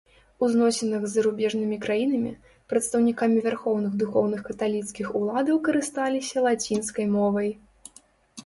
У зносінах з зарубежнымі краінамі, прадстаўнікамі вярхоўных духоўных каталіцкіх уладаў карысталіся лацінскай мовай.